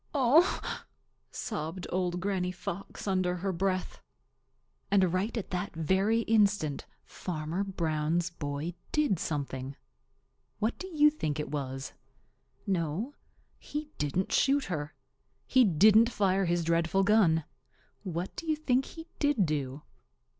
"Oh!" sobbed Old Granny Fox under her breath. And right at that very instant Farmer Brown's boy did something. What do you think it was? No, he didn't shoot her. He didn't fire his dreadful gun. What do you think he did do?